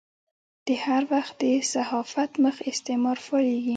د هر وخت د صحافت مخ استعمار فعالېږي.